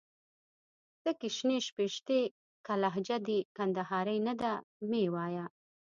تکي شنې شپيشتي. که لهجه دي کندهارۍ نه ده مې وايه